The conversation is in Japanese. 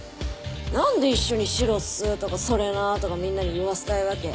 なんで一緒に「白っす」とか「それなー」とかみんなに言わせたいわけ？